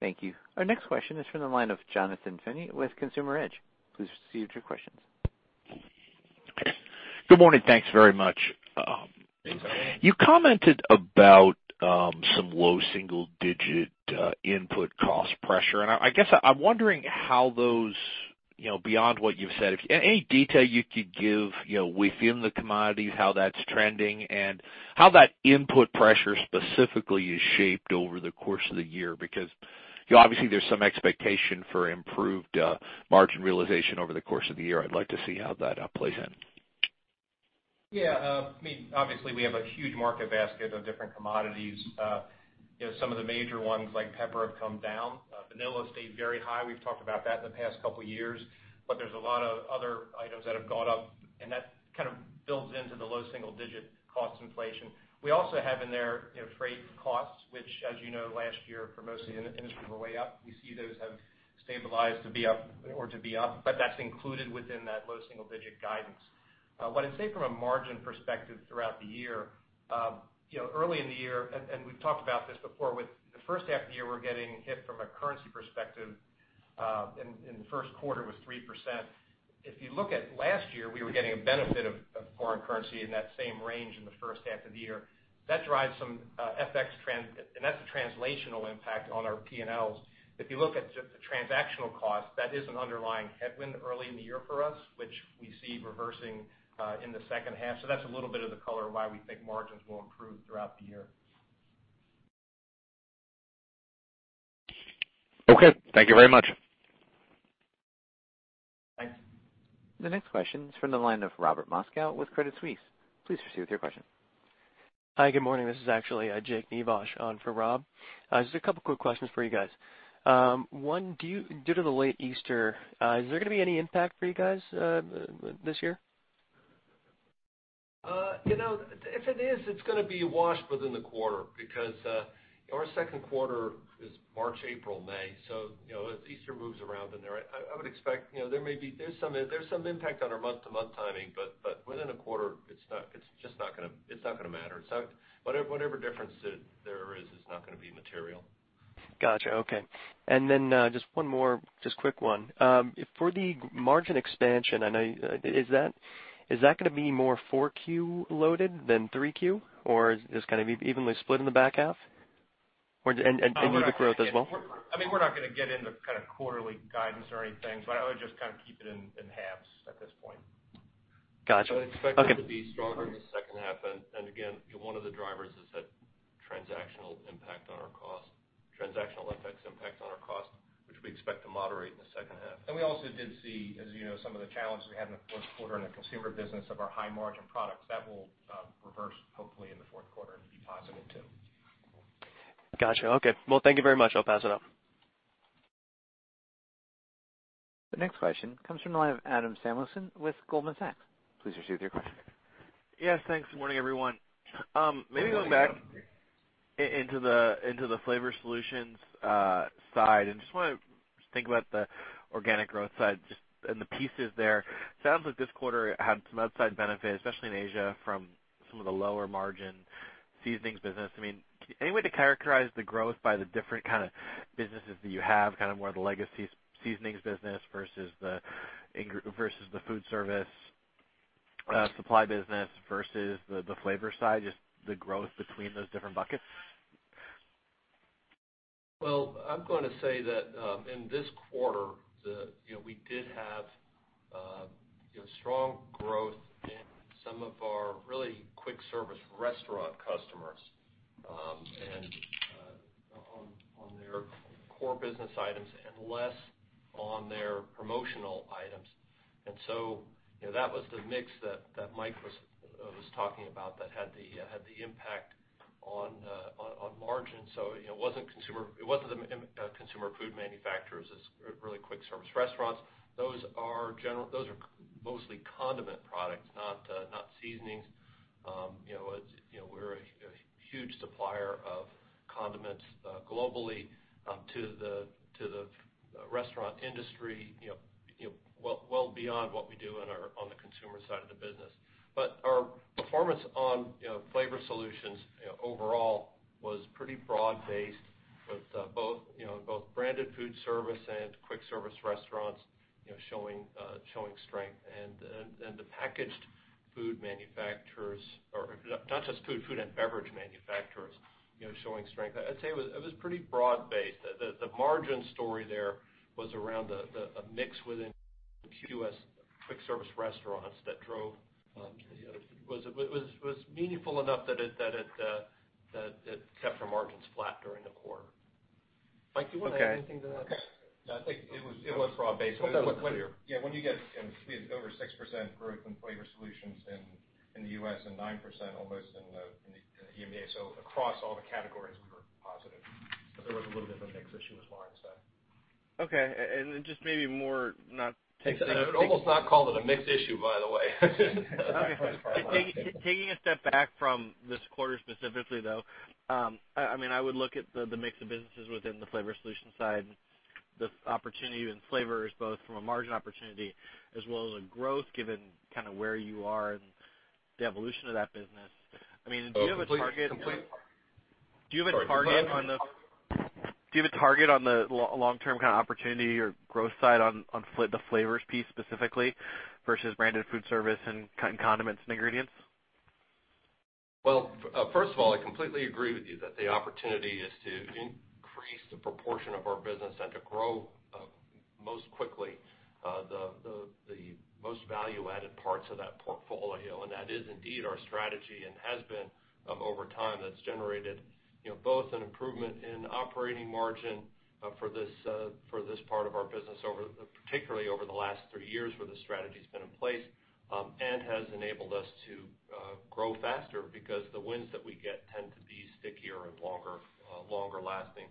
Thank you. Our next question is from the line of Jonathan Feeney with Consumer Edge. Please proceed with your questions. Good morning. Thanks very much. Hey, Jonathan. You commented about some low single-digit input cost pressure, and I guess I'm wondering how those, beyond what you've said, if any detail you could give within the commodities, how that's trending and how that input pressure specifically is shaped over the course of the year, because obviously there's some expectation for improved margin realization over the course of the year. I'd like to see how that plays in. Yeah. Obviously, we have a huge market basket of different commodities. Some of the major ones, like pepper, have come down. Vanilla stayed very high. We've talked about that in the past couple of years. There's a lot of other items that have gone up, and that kind of builds into the low single-digit cost inflation. We also have in there freight costs, which, as you know, last year for most of the industry were way up. We see those have stabilized or to be up, but that's included within that low single-digit guidance. What I'd say from a margin perspective throughout the year, early in the year, and we've talked about this before, with the first half of the year, we're getting hit from a currency perspective in the first quarter with 3%. If you look at last year, we were getting a benefit of foreign currency in that same range in the first half of the year. That's a translational impact on our P&Ls. If you look at just the transactional cost, that is an underlying headwind early in the year for us, which we see reversing in the second half. That's a little bit of the color why we think margins will improve throughout the year. Okay. Thank you very much. Thanks. The next question is from the line of Robert Moskow with Credit Suisse. Please proceed with your question. Hi, good morning. This is actually Jake Nivosh on for Rob. Just a couple quick questions for you guys. One, due to the late Easter, is there going to be any impact for you guys this year? If it is, it's going to be washed within the quarter because our second quarter is March, April, May, so as Easter moves around in there, I would expect there's some impact on our month-to-month timing, but within a quarter, it's not going to matter. Whatever difference there is not going to be material. Got you. Okay. Just one more, just quick one. For the margin expansion, is that going to be more Q4 loaded than Q3, or is this going to be evenly split in the back half? Organic growth as well? We're not going to get into kind of quarterly guidance or anything, but I would just keep it in halves at this point. Got you. Okay. I would expect it to be stronger in the second half. Again, one of the drivers is that transactional impact on our cost, which we expect to moderate in the second half. We also did see, as you know, some of the challenges we had in the fourth quarter in the Consumer business of our high margin products. That will reverse hopefully in the fourth quarter and be positive too. Got you. Okay. Well, thank you very much. I'll pass it off. The next question comes from the line of Adam Samuelson with Goldman Sachs. Please proceed with your question. Yes, thanks. Good morning, everyone. Maybe going back into the Flavor Solutions side, just want to think about the organic growth side and the pieces there. Sounds like this quarter had some outsized benefit, especially in Asia, from some of the lower margin seasonings business. Any way to characterize the growth by the different kind of businesses that you have, more of the legacy seasonings business versus the foodservice supply business versus the flavor side, just the growth between those different buckets? Well, I'm going to say that in this quarter, we did have strong growth in some of our really Quick Service Restaurant customers, on their core business items and less on their promotional items. That was the mix that Mike was talking about that had the impact on margin. It wasn't the Consumer food manufacturers, it's really Quick Service Restaurants. Those are mostly condiment products, not seasonings. We're a huge supplier of condiments globally to the restaurant industry well beyond what we do on the Consumer side of the business. Our performance on Flavor Solutions overall was pretty broad-based with both branded foodservice and Quick Service Restaurants showing strength, and the packaged food manufacturers, or not just food and beverage manufacturers showing strength. I'd say it was pretty broad-based. The margin story there was around a mix within QSR, quick service restaurants that it was meaningful enough that it kept our margins flat during the quarter. Mike, do you want to add anything to that? Okay. No, I think it was broad-based. Hope that was clear. Yeah, when you get over 6% growth in Flavor Solutions in the U.S. and 9% almost in the EMEA. Across all the categories, we were positive, but there was a little bit of a mix issue with margin. Okay, just maybe more, not- I would almost not call it a mix issue, by the way. Okay. Taking a step back from this quarter specifically, though, I would look at the mix of businesses within the Flavor Solutions side and the opportunity in flavors, both from a margin opportunity as well as a growth, given where you are in the evolution of that business. Do you have a target on the long-term kind of opportunity or growth side on the flavors piece specifically versus branded food service and condiments and ingredients? Well, first of all, I completely agree with you that the opportunity is to increase the proportion of our business and to grow most quickly the most value-added parts of that portfolio. That is indeed our strategy and has been over time that's generated both an improvement in operating margin for this part of our business, particularly over the last three years where the strategy's been in place, and has enabled us to grow faster because the wins that we get tend to be stickier and longer lasting.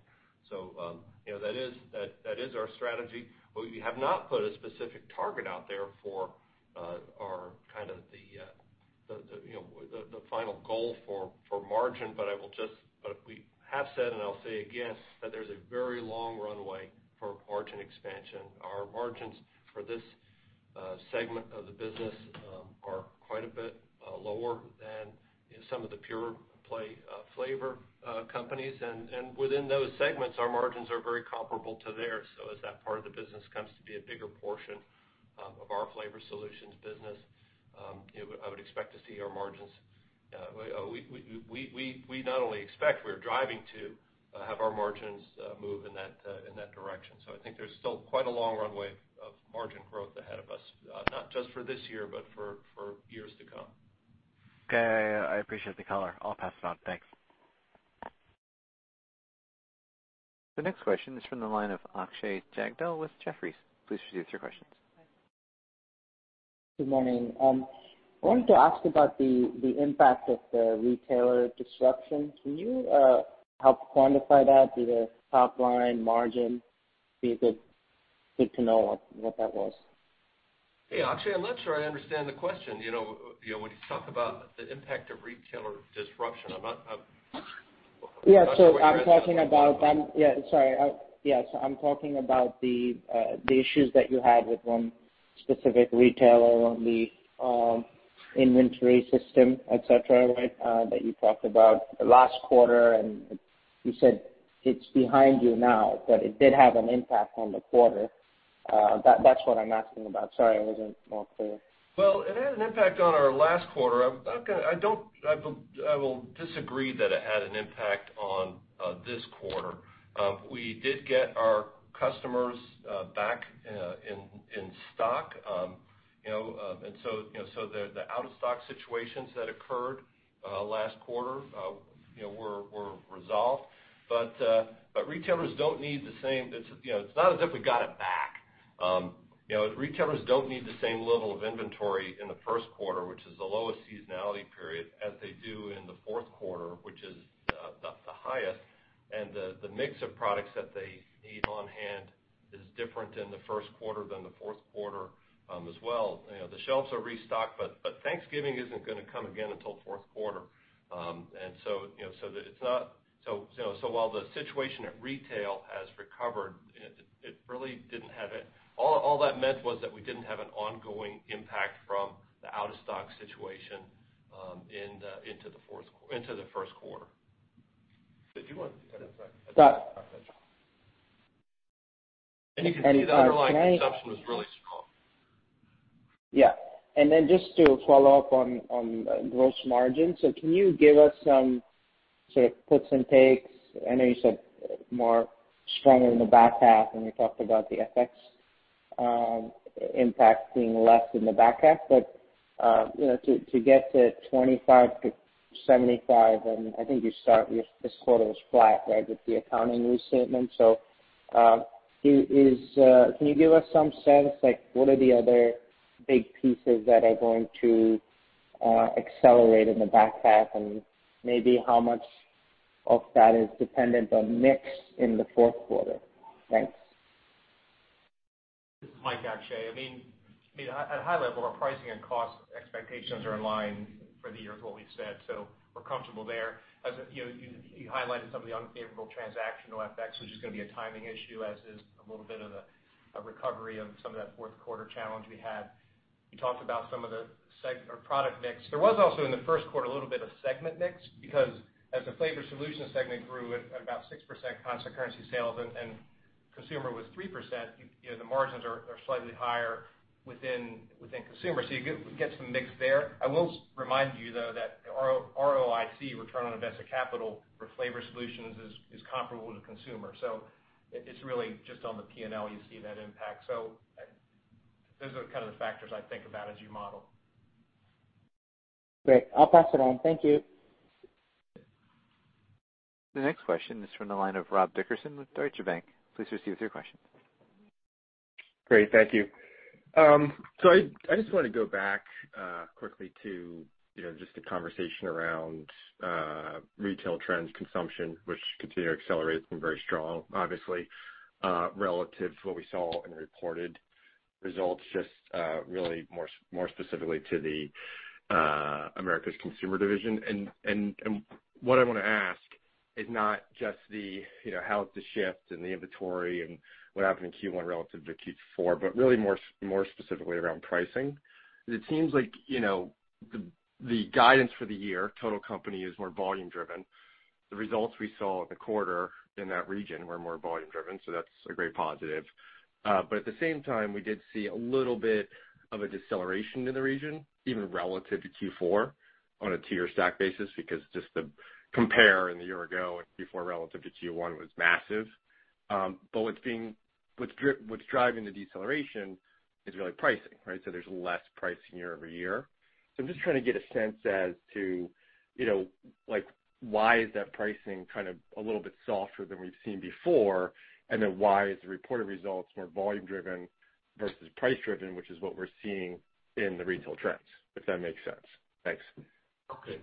That is our strategy. We have not put a specific target out there for our final goal for margin, but we have said, and I'll say again, that there's a very long runway for margin expansion. Our margins for this segment of the business are quite a bit lower than some of the pure play flavor companies. Within those segments, our margins are very comparable to theirs. As that part of the business comes to be a bigger portion of our Flavor Solutions business, I would expect to see our margins. We not only expect, we're driving to have our margins move in that direction. I think there's still quite a long runway of margin growth ahead of us, not just for this year, but for years to come. Okay. I appreciate the color. I'll pass it on. Thanks. The next question is from the line of Akshay Jagdale with Jefferies. Please proceed with your questions. Good morning. I wanted to ask about the impact of the retailer disruption. Can you help quantify that, be there top line margin, be good to know what that was. Hey, Akshay, I'm not sure I understand the question when you talk about the impact of retailer disruption. Yeah. Sorry. Yes, I'm talking about the issues that you had with one specific retailer on the inventory system, et cetera, that you talked about the last quarter, and you said it's behind you now, but it did have an impact on the quarter. That's what I'm asking about. Sorry I wasn't more clear. Well, it had an impact on our last quarter. I will disagree that it had an impact on this quarter. We did get our customers back in stock. The out-of-stock situations that occurred last quarter were resolved. It's not as if we got it back. Retailers don't need the same level of inventory in the first quarter, which is the lowest seasonality period, as they do in the fourth quarter, which is the highest. The mix of products that they need on hand is different in the first quarter than the fourth quarter as well. The shelves are restocked, but Thanksgiving isn't gonna come again until fourth quarter. While the situation at retail has recovered, all that meant was that we didn't have an ongoing impact from the out-of-stock situation into the first quarter. Did you want to add anything? That- You can see the underlying consumption was really strong. Yeah. Just to follow up on gross margin, can you give us some sort of puts and takes? I know you said more stronger in the back half when we talked about the FX impact being less in the back half, but to get to 25-75, I think this quarter was flat with the accounting restatement. Can you give us some sense, like what are the other big pieces that are going to accelerate in the back half? Maybe how much of that is dependent on mix in the fourth quarter? Thanks. This is Mike, Akshay. At a high level, our pricing and cost expectations are in line for the year is what we've said, we're comfortable there. As you highlighted some of the unfavorable transactional effects, which is going to be a timing issue, as is a little bit of a recovery of some of that fourth quarter challenge we had. We talked about some of the product mix. There was also, in the first quarter, a little bit of segment mix because as the Flavor Solutions segment grew at about 6% constant currency sales and Consumer was 3%, the margins are slightly higher within Consumer. You get some mix there. I will remind you, though, that ROIC, return on invested capital, for Flavor Solutions is comparable to Consumer. It's really just on the P&L you see that impact. Those are kind of the factors I'd think about as you model. Great. I will pass it on. Thank you. The next question is from the line of Rob Dickerson with Deutsche Bank. Please proceed with your question. Great, thank you. I just want to go back quickly to just the conversation around retail trends, consumption, which continue to accelerate and very strong, obviously, relative to what we saw in the reported results, just really more specifically to the Americas Consumer division. What I want to ask is not just the how it's a shift and the inventory and what happened in Q1 relative to Q4, but really more specifically around pricing. It seems like the guidance for the year, total company, is more volume driven. The results we saw in the quarter in that region were more volume driven, so that's a great positive. At the same time, we did see a little bit of a deceleration in the region, even relative to Q4 on a two-year stack basis, because just the compare in the year ago and Q4 relative to Q1 was massive. What's driving the deceleration is really pricing, right? There's less pricing year-over-year. I am just trying to get a sense as to why is that pricing kind of a little bit softer than we've seen before, and then why is the reported results more volume driven versus price driven, which is what we're seeing in the retail trends, if that makes sense. Thanks. Okay.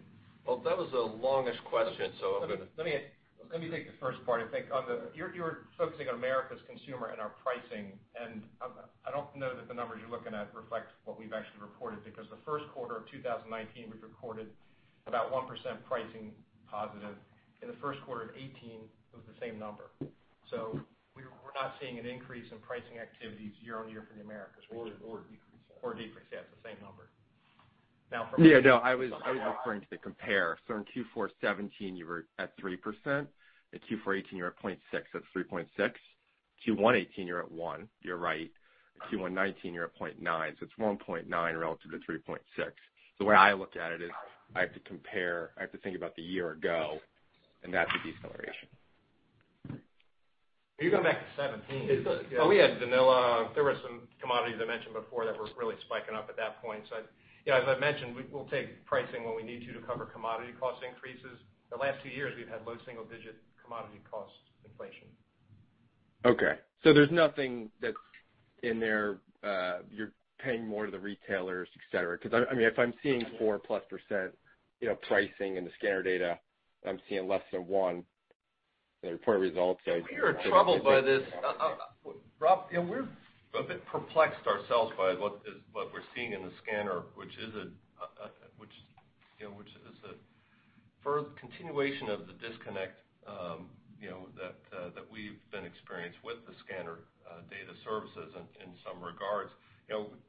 Well, that was the longest question. Let me take the first part, I think. You are focusing on Americas Consumer and our pricing. I don't know that the numbers you are looking at reflect what we have actually reported. The first quarter of 2019, we have recorded about 1% pricing positive. In the first quarter of 2018, it was the same number. We are not seeing an increase in pricing activities year-over-year for the Americas region. Or a decrease. Or a decrease, yeah. It is the same number. Yeah, no, I was referring to the compare. In Q4 2017, you were at 3%. In Q4 2018, you were at 0.6%, so 3.6%. Q1 2018, you are at 1%, you are right. Q1 2019, you are at 0.9%. It is 1.9% relative to 3.6%. The way I look at it is I have to compare, I have to think about the year ago, and that is a deceleration. You are going back to 2017. Well, we had vanilla. There were some commodities I mentioned before that were really spiking up at that point. As I mentioned, we'll take pricing when we need to cover commodity cost increases. The last 2 years, we've had low single-digit commodity cost inflation. Okay, there's nothing that's in there, you're paying more to the retailers, et cetera. Because if I'm seeing 4%+ pricing in the scanner data, I'm seeing less than one in the reported results. We are troubled by this. Rob, we're a bit perplexed ourselves by what we're seeing in the scanner, which is a further continuation of the disconnect that we've been experienced with the scanner data services in some regards.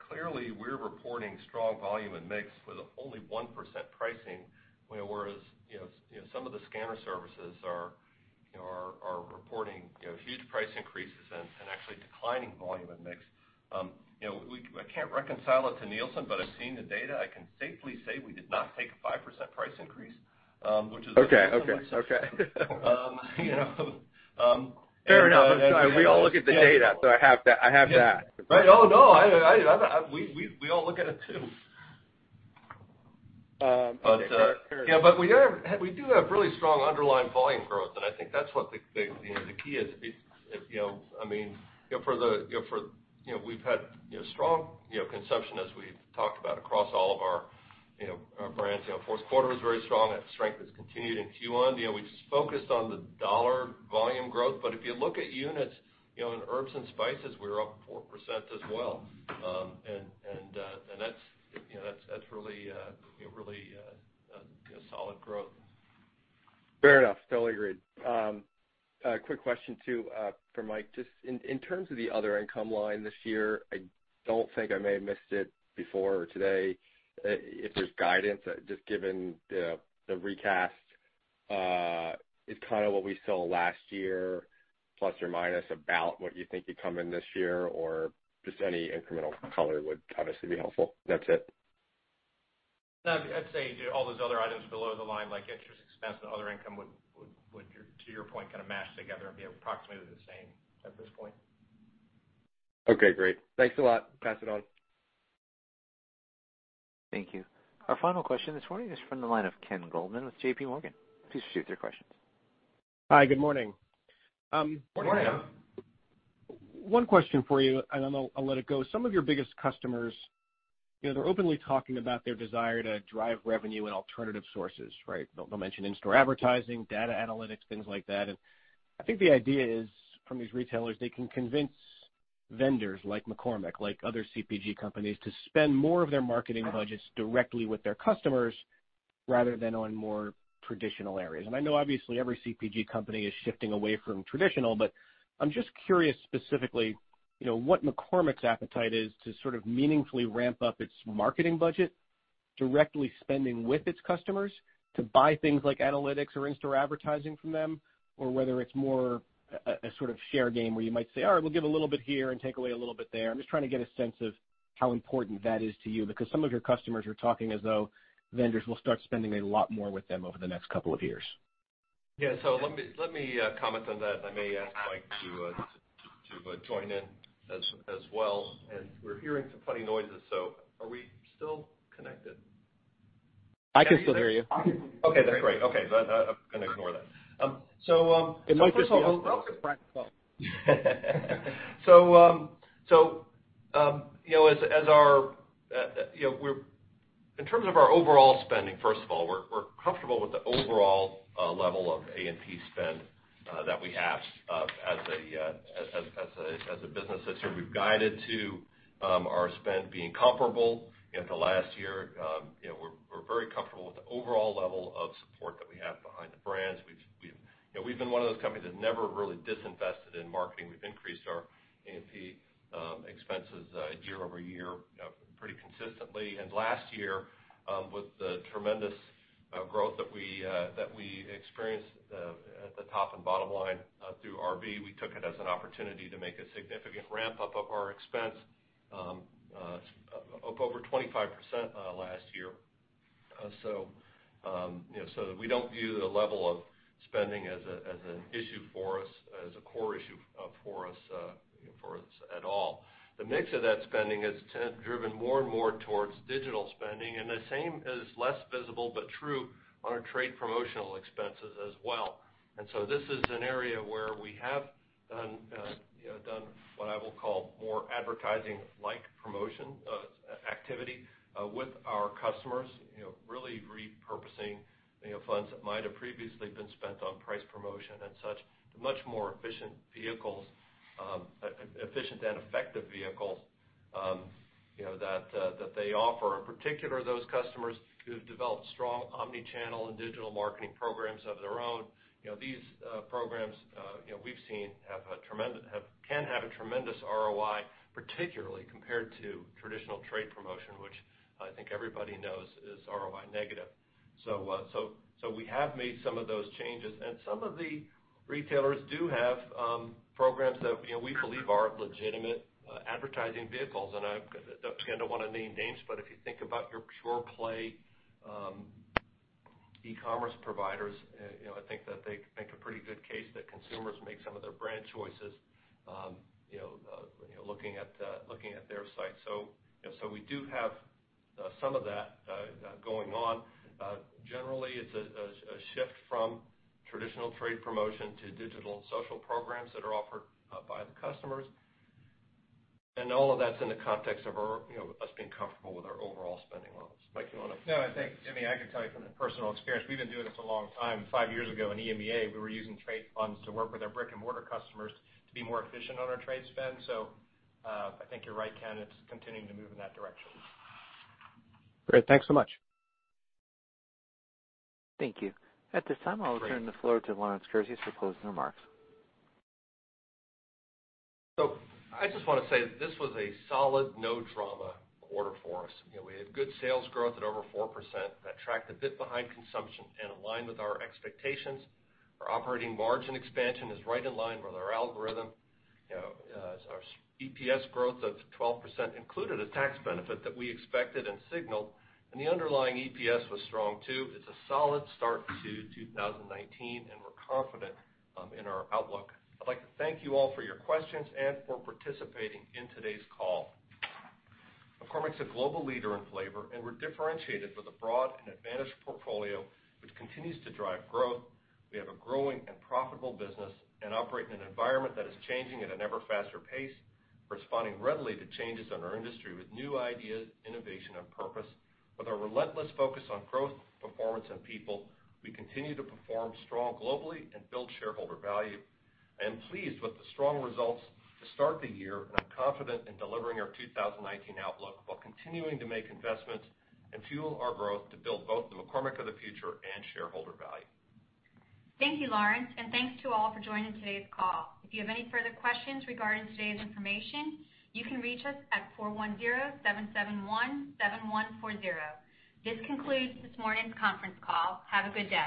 Clearly, we're reporting strong volume and mix with only 1% pricing, whereas some of the scanner services are reporting huge price increases and actually declining volume and mix. I can't reconcile it to Nielsen, but I've seen the data. I can safely say we did not take a 5% price increase. Okay. Fair enough. I'm sorry. We all look at the data, I have that. Right. Oh, no. We all look at it, too. Okay. Fair enough. We do have really strong underlying volume growth, and I think that's what the key is. We've had strong consumption, as we've talked about, across all of our brands. Fourth quarter was very strong. That strength has continued in Q1. We've focused on the dollar volume growth. If you look at units in herbs and spices, we're up 4% as well. That's really solid growth. Fair enough. Totally agreed. A quick question, too, for Mike. Just in terms of the other income line this year, I don't think, I may have missed it before or today, if there's guidance, just given the recast. Is kind of what we saw last year, plus or minus about what you think you come in this year, or just any incremental color would obviously be helpful. That's it. I'd say all those other items below the line, like interest expense and other income would, to your point, kind of mash together and be approximately the same at this point. Okay, great. Thanks a lot. Pass it on. Thank you. Our final question this morning is from the line of Ken Goldman with JPMorgan. Please proceed with your questions. Hi, good morning. Good morning. Morning. One question for you, then I'll let it go. Some of your biggest customers, they're openly talking about their desire to drive revenue in alternative sources, right? They'll mention in-store advertising, data analytics, things like that. I think the idea is from these retailers, they can convince vendors like McCormick, like other CPG companies, to spend more of their marketing budgets directly with their customers rather than on more traditional areas. I know obviously every CPG company is shifting away from traditional, but I'm just curious specifically, what McCormick's appetite is to sort of meaningfully ramp up its marketing budget, directly spending with its customers to buy things like analytics or in-store advertising from them, or whether it's more a sort of share game where you might say, "All right, we'll give a little bit here and take away a little bit there." I'm just trying to get a sense of how important that is to you, because some of your customers are talking as though vendors will start spending a lot more with them over the next couple of years. Yeah. Let me comment on that. I may ask Mike to join in as well. We're hearing some funny noises, so are we still connected? I can still hear you. Okay, that's great. Okay. I'm gonna ignore that. It might just be us. In terms of our overall spending, first of all, we're comfortable with the overall level of A&P spend that we have as a business. That said, we've guided to our spend being comparable to last year. We're very comfortable with the overall level of support that we have behind the brands. We've been one of those companies that never really disinvested in marketing. We've increased our A&P expenses year-over-year pretty consistently. Last year, with the tremendous growth that we experienced at the top and bottom line through RB, we took it as an opportunity to make a significant ramp-up of our expense, up over 25% last year. We don't view the level of spending as an issue for us, as a core issue for us at all. The mix of that spending has driven more and more towards digital spending, the same is less visible but true on our trade promotional expenses as well. This is an area where we have done what I will call more advertising-like promotion activity with our customers, really repurposing funds that might have previously been spent on price promotion and such to much more efficient and effective vehicles that they offer. In particular, those customers who have developed strong omni-channel and digital marketing programs of their own. These programs we've seen can have a tremendous ROI, particularly compared to traditional trade promotion, which I think everybody knows is ROI negative. We have made some of those changes. Some of the retailers do have programs that we believe are legitimate advertising vehicles. I don't want to name names, but if you think about your pure play E-commerce providers, I think that they make a pretty good case that consumers make some of their brand choices looking at their site. We do have some of that going on. Generally, it's a shift from traditional trade promotion to digital and social programs that are offered by the customers. All of that's in the context of us being comfortable with our overall spending levels. Mike, you want to- No, I think, [Jimmy], I can tell you from a personal experience, we've been doing this a long time. Five years ago in EMEA, we were using trade funds to work with our brick and mortar customers to be more efficient on our trade spend. I think you're right, Ken, it's continuing to move in that direction. Great. Thanks so much. Thank you. At this time, I'll turn the floor to Lawrence Kurzius for closing remarks. I just want to say that this was a solid, no drama quarter for us. We had good sales growth at over 4% that tracked a bit behind consumption and aligned with our expectations. Our operating margin expansion is right in line with our algorithm. Our EPS growth of 12% included a tax benefit that we expected and signaled and the underlying EPS was strong, too. It's a solid start to 2019, and we're confident in our outlook. I'd like to thank you all for your questions and for participating in today's call. McCormick's a global leader in flavor, and we're differentiated with a broad and advantaged portfolio, which continues to drive growth. We have a growing and profitable business and operate in an environment that is changing at an ever faster pace, responding readily to changes in our industry with new ideas, innovation and purpose. With our relentless focus on growth, performance and people, we continue to perform strong globally and build shareholder value. I am pleased with the strong results to start the year, and I'm confident in delivering our 2019 outlook while continuing to make investments and fuel our growth to build both the McCormick of the future and shareholder value. Thank you, Lawrence, and thanks to all for joining today's call. If you have any further questions regarding today's information, you can reach us at 410-771-7140. This concludes this morning's conference call. Have a good day.